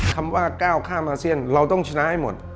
คำว่าก้าวข้ามอาเซียนเราต้องชนะให้หมด